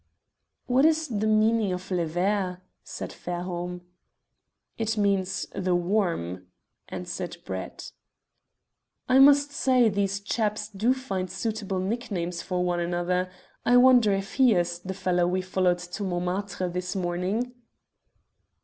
"What is the meaning of 'Le Ver'?" said Fairholme. "It means 'The Worm,'" answered Brett. "I must say these chaps do find suitable nicknames for one another. I wonder if he is the fellow we followed to Montmartre this morning?"